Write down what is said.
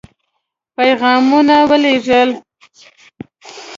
پيغامونه ولېږل.